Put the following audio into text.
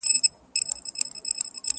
نور به یې شنې پاڼي سمسوري نه وي!.